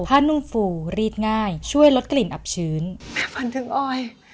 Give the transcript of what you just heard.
ผ้านุ่มฟูรีดง่ายช่วยลดกลิ่นอับชื้นแม่ฝันถึงออย